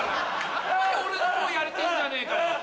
やっぱり俺の方やりてぇんじゃねえかよ。